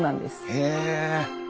へえ！